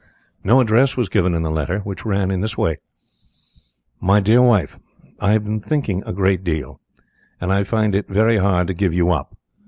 No address was given in the letter, which ran in this way: MY DEAR WIFE, "I have been thinking a great deal, and I find it very hard to give you up.